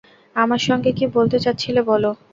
আমার সঙ্গে কী বলতে চাচ্ছিলে বল।